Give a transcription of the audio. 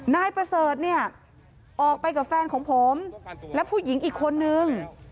นายประเสริฐเนี่ยออกไปกับแฟนของผมและผู้หญิงอีกคนนึง